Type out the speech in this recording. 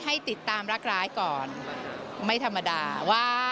ให้ติดตามรักร้ายก่อนไม่ธรรมดาว่า